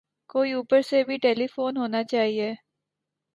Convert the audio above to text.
کوئی اوپر سے بھی ٹیلی فون ہونا چاہئے